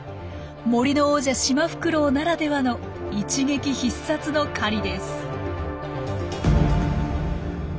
森の王者シマフクロウならではの一撃必殺の狩りです。